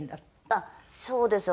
あっそうです。